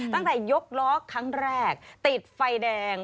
ตั้งแต่ยกล้อครั้งแรกติดไฟแดง